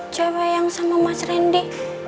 cewek yang sama mas reni